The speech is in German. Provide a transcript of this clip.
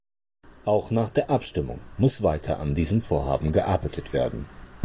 Auch nach der Abstimmung muss weiter an diesem Vorhaben gearbeitet werden.